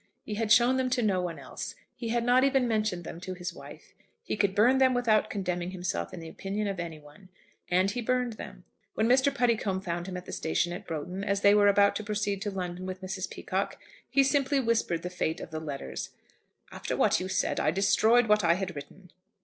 He had shown them to no one else. He had not even mentioned them to his wife. He could burn them without condemning himself in the opinion of any one. And he burned them. When Mr. Puddicombe found him at the station at Broughton as they were about to proceed to London with Mrs. Peacocke, he simply whispered the fate of the letters. "After what you said I destroyed what I had written."